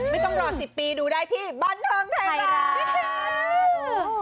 ไม่ต้องรอ๑๐ปีดูได้ที่บันเทิงไทยรัฐ